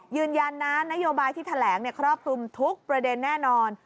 ยืนยันนะนโยบายที่แถลงครอบคลุมทุกประเด็นแน่นอน